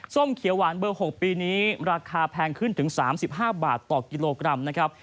เขียวหวานเบอร์๖ปีนี้ราคาแพงขึ้นถึง๓๕บาทต่อกิโลกรัมนะครับ